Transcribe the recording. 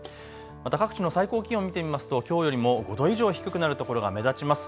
また各地の最高気温、見てみますときょうよりも５度以上低くなるところが目立ちます。